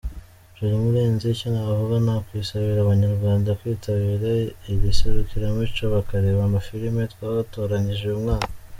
Jolie Murenzi: Icyo navuga nakwisabira Abanyarwanda kwitabira iri serukiramuco bakareba amafilimi twatoranyije uyu mwaka.